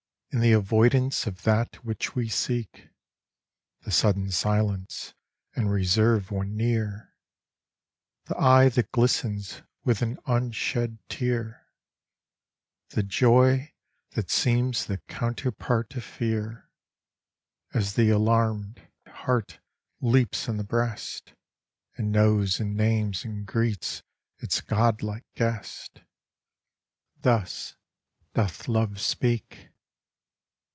In the avoidance of that which we seek The sudden silence and reserve when near The eye that glistens with an unshed tear The joy that seems the counterpart of fear, As the alarmed heart leaps in the breast, And knows and names and greets its godlike guest Thus doth Love speak.